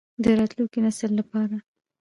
د راتلونکي نسل لپاره.